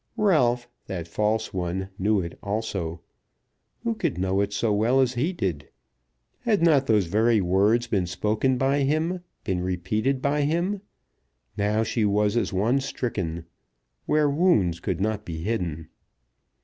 Ralph, that false one, knew it also. Who could know it so well as he did? Had not those very words been spoken by him, been repeated by him? Now she was as one stricken, where wounds could not be hidden.